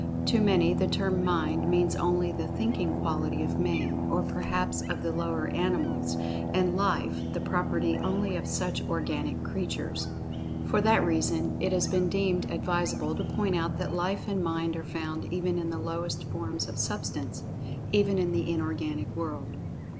To many the term "Mind" means only the "thinking quality" of man, or perhaps of the lower animals; and "Life" the property only of such organic creatures. For that reason it has been deemed advisable to point out that Life and Mind are found even in the lowest forms of substance—even in the inorganic world.